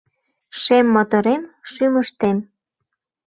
Шем моторем шӱмыштем